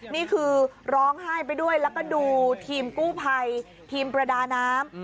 นี่คือร้องไห้ไปด้วยแล้วก็ดูทีมกู้ภัยทีมประดาน้ำ